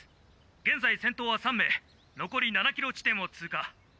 現在先頭は３名のこり７ｋｍ地点を通過。